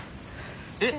えっ？